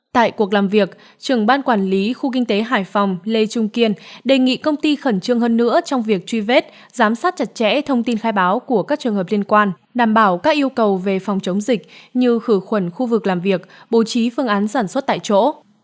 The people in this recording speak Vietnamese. tại cuộc làm việc trưởng ban quản lý khu kinh tế hải phòng lê trung kiên đề nghị công ty khẩn trương hơn nữa trong việc truy vết giám sát chặt chẽ thông tin khai báo của các trường hợp liên quan đảm bảo các yêu cầu về phòng chống dịch như khử khuẩn khu vực làm việc bố trí phương án sản xuất tại chỗ